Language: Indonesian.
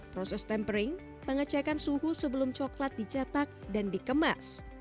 proses tempering pengecekan suhu sebelum coklat dicetak dan dikemas